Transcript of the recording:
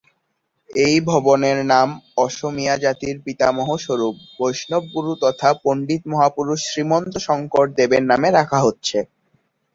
এই ভবনের নাম অসমীয়া জাতির পিতামহ স্বরূপ, বৈষ্ণব গুরু তথা পণ্ডিত মহাপুরুষ শ্রীমন্ত শংকরদেব-এর নামে রাখা হচ্ছে।